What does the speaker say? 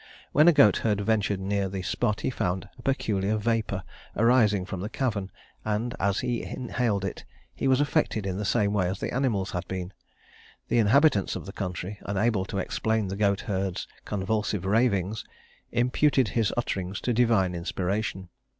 When a goatherd ventured near the spot, he found a peculiar vapor arising from the cavern, and as he inhaled it, he was affected in the same way as the animals had been. The inhabitants of the country, unable to explain the goatherd's convulsive ravings, imputed his utterings to divine inspiration.